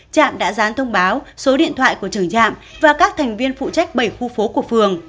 trạm đã gián thông báo số điện thoại của trưởng trạm và các thành viên phụ trách bảy khu phố của phường